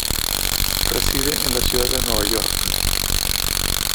Reside en la ciudad de Nueva York.